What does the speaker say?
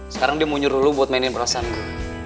sekarang dia mau nyuruh lo buat mainin perasaan gue